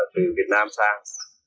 từ việt nam sang